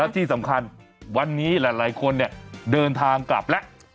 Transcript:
ที่สำคัญวันนี้หลายคนเดินทางกลับแล้ว